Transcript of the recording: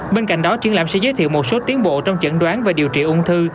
bên cạnh đó triển lãm sẽ giới thiệu một số tiến bộ trong chẩn đoán và điều trị ung thư